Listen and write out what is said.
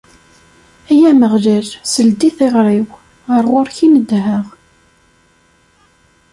Ay Ameɣlal, sel-d i tiɣri-w, ar ɣur-k i n-nedheɣ.